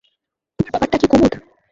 তোমার ব্যাপারটা কী কুমুদ?